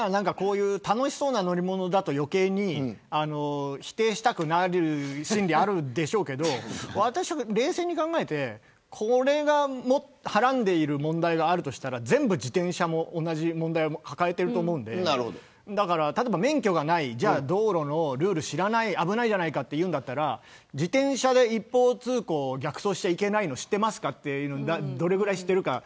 楽しそうな乗り物だと余計に否定したくなる心理があるんでしょうけど冷静に考えてこれがはらんでいる問題があるとしたら全部、自転車も同じ問題を抱えていると思うので例えば、免許がない道路のルールを知らない危ないじゃないかと言うんだったら自転車で一方通行を逆走しちゃいけないのどれぐらい知っているか。